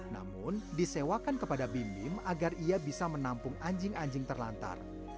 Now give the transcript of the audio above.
namun disewakan kepada bim bim agar ia bisa menampung anjing anjing terlantar